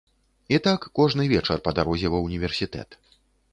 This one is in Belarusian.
І так кожны вечар па дарозе ва ўніверсітэт.